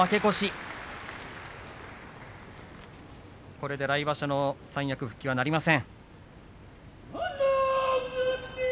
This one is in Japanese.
これで来場所の三役復帰はなりません。